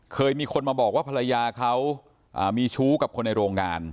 เคยมีคนมาบอกว่าภรรยาเขามีชู้กับคนในโรงงาน